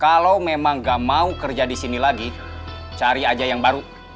kalau memang gak mau kerja di sini lagi cari aja yang baru